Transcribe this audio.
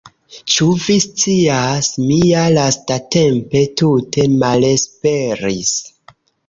Ĉu vi scias, mi ja lasttempe tute malesperis!